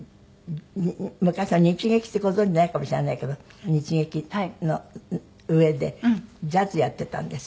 昔の日劇ってご存じないかもしれないけど日劇の上でジャズやってたんです。